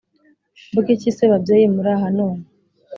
mvuge iki se babyeyi muraha none